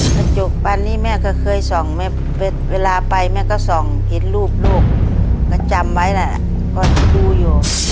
ตัวเลือกที่สองแม่ก็เคยส่องเวลาไปแม่ก็ส่องผิดลูกก็จำไว้นะก็ดูอยู่